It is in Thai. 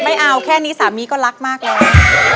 ไม่เอาแค่นี้สามีก็รักมากแล้ว